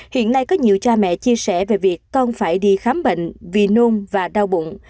hiện nay có nhiều cha mẹ chia sẻ về việc con phải đi khám bệnh vì nôn và đau bụng